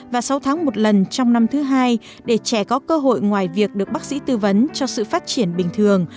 và sáu tháng một lần trong năm thứ hai để trẻ có cơ hội ngoài việc được bác sĩ tư vấn cho sự phát triển bình thường